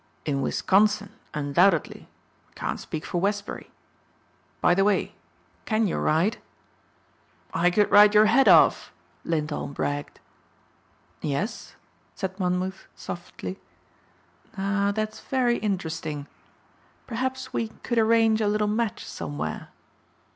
"In Wisconsin, undoubtedly: I can't speak for Westbury. By the way, can you ride?" "I could ride your head off," Lindholm bragged. "Yes?" said Monmouth softly. "Now that's very interesting. Perhaps we could arrange a little match somewhere?"